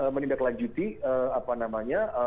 menindaklanjuti apa namanya